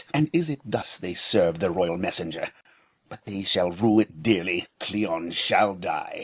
and is it thus they serve the royal messenger. But they shall rue it dearly. Cleon shall die.